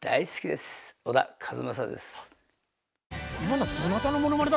小田和正です。